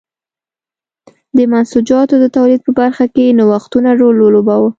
د منسوجاتو د تولید په برخه کې نوښتونو رول ولوباوه.